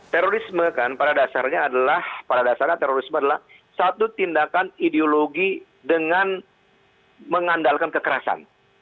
terorisme kan pada dasarnya adalah pada dasarnya terorisme adalah satu tindakan ideologi dengan mengandalkan kekerasan